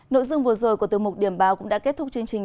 nội dung vừa rồi của từ mục điểm báo cũng đã kết thúc chương trình